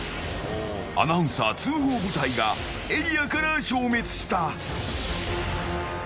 アナウンサー通報部隊がエリアから消滅した。